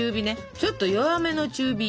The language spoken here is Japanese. ちょっと弱めの中火。